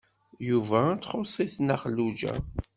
Yuba ad ttxuṣ-it Nna Xelluǧa.